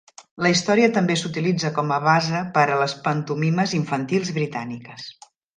La història també s'utilitza com a base per a les pantomimes infantils britàniques.